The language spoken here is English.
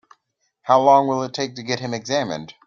How long will it take to get him examined?